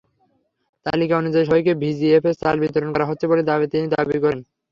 তালিকা অনুযায়ী সবাইকে ভিজিএফের চাল বিতরণ করা হচ্ছে বলে তিনি দাবি করেন।